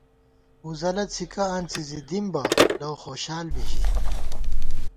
ووزَلہ څھِکہ آنڅی زی دِم بہ لؤ خوشال بی ژِی